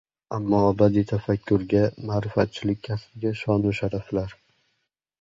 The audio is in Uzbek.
Ammo abadiy tafakkurga, ma’rifatchilik kasbiga shonu sharaflar!